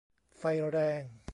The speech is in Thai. ไฟแรง !